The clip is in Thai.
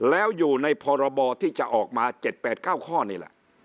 แล้วอยู่ในพรบที่จะออกมา๗๘๙ข้อนี่แหละ